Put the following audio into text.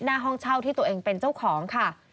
หน้าห้องเช่าที่ตัวเองเป็นเจ้าของค่ะ